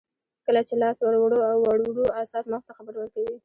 کله چې لاس ور وړو اعصاب مغز ته خبر ورکوي